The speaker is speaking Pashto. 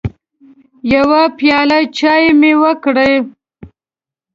يوه پياله چايي مې وکړې